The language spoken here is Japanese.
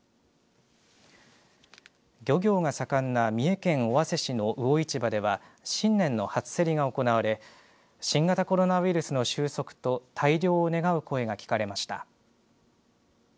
漁業が盛んな三重県尾鷲市の魚市場では新年の初競りが行われ新型コロナウイルスの収束と大漁を願う声が聞かれました。